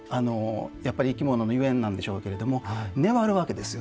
やっぱり生き物のゆえんなんでしょうけれども粘るわけですよね。